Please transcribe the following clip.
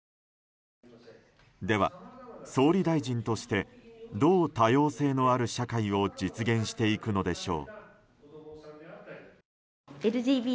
では、総理大臣としてどう多様性のある社会を実現していくのでしょう。